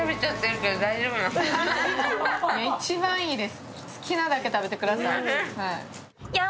一番いいです。